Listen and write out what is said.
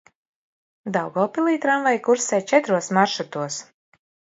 Daugavpilī tramvaji kursē četros maršrutos.